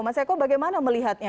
mas eko bagaimana melihatnya